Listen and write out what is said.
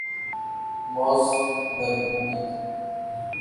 Mozambique